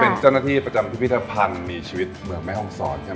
เป็นเจ้าหน้าที่ประจำพิพิธภัณฑ์มีชีวิตเมืองแม่ห้องศรใช่ไหม